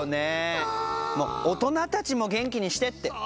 大人たちも元気にしてって。